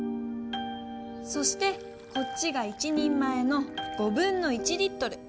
そしてこっちが１人前のリットル。